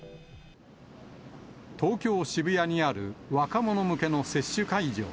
東京・渋谷にある若者向けの接種会場。